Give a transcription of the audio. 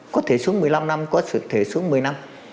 có thể xuống một mươi năm năm có sự thể xuống một mươi năm